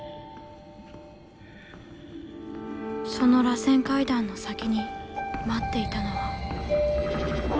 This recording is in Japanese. その螺旋階段の先に待っていたのは。